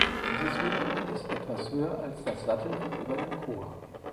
Dieses wiederum ist etwas höher als das Satteldach über dem Chor.